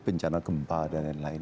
bencana gempa dan lain lain